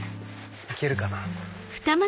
行けるかな？